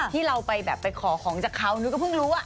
ที่เราไปแบบไปขอของจากเขานุ้ยก็เพิ่งรู้ว่า